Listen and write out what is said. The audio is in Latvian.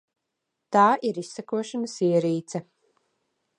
Tā ir izsekošanas ierīce.